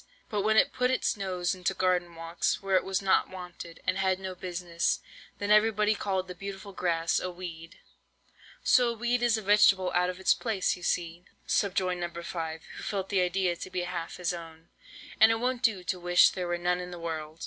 But when it put its nose into garden walks, where it was not wanted, and had no business, then everybody called the beautiful Grass a weed." "So a weed is a vegetable out of its place, you see," subjoined No. 5, who felt the idea to be half his own, "and it won't do to wish there were none in the world."